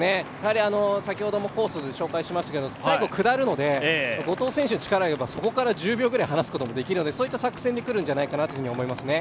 先ほどもコースで紹介しましたけど、最後に下るので、後藤選手の力は、そこから１０秒くらい離すこともできるのでそういった作戦でくるんじゃないかなと思いますね。